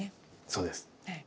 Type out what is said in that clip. そうです。